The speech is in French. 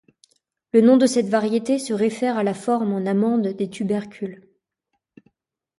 Le nom de cette variété se réfère à la forme en amande des tubercules.